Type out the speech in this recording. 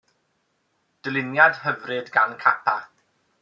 Dyluniad hyfryd gan Kappa.